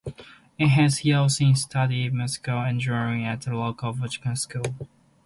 In his youth he studied mechanical engineering at the local vocational school.